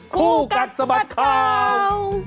คู่กันสมัตย์ข่าว